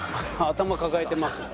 頭抱えてますね。